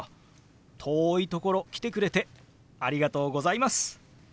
遠いところ来てくれてありがとうございます。